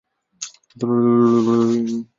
特姆尼茨塔尔是德国勃兰登堡州的一个市镇。